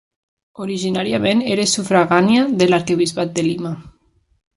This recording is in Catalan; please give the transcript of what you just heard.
Originàriament era sufragània de l'arquebisbat de Lima.